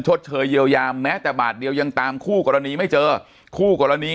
ชดเชยเยียวยาแม้แต่บาทเดียวยังตามคู่กรณีไม่เจอคู่กรณี